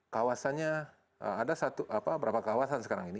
kawasannya ada berapa kawasan sekarang ini